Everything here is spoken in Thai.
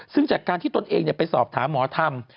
ซึ่งจากการที่ตนเองไปสอบถามหมอธรรม